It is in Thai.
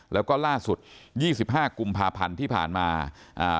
แล้วก็ล่าสุดยี่สิบห้ากุมภาพันธ์ที่ผ่านมาอ่า